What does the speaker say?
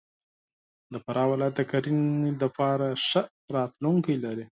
د فراه ولایت د کرهنې دپاره ښه راتلونکی لري.